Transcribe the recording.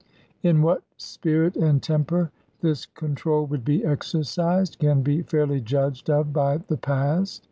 In what spirit and temper this control would be exer cised can be fairly judged of by the past.